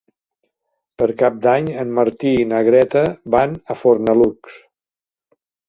Per Cap d'Any en Martí i na Greta van a Fornalutx.